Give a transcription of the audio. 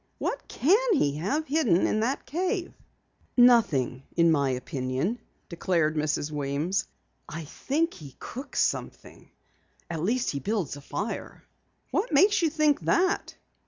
"What can he have hidden in the cave?" "Nothing in my opinion," declared Mrs. Weems. "I think he cooks something. At least he builds a fire." "What makes you think that?"